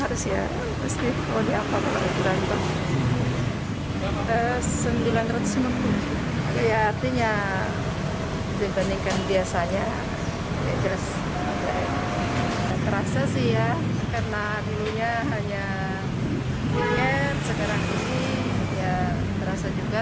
terasa sih ya karena dulunya hanya bilir sekarang ini ya terasa juga